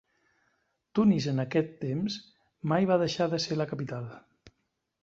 Tunis en aquest temps mai va deixar de ser la capital.